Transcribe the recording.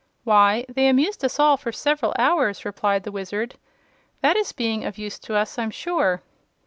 "Why, they amused us all for several hours," replied the Wizard. "That is being of use to us, I'm sure."